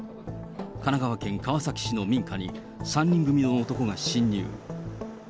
神奈川県川崎市の民家に３人組の男が侵入。